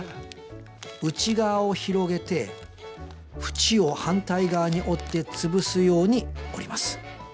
内側を広げて縁を反対側に折って潰すように折ります。